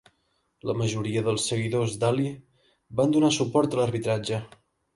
La majoria dels seguidors d'Ali van donar suport a l'arbitratge.